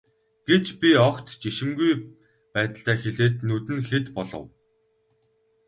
гэж би огт жишимгүй байдалтай хэлээд дүн нь хэд болов.